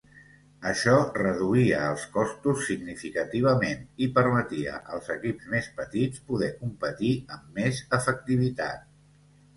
Això reduïa els costos significativament i permetia als equips més petits poder competir amb més efectivitat.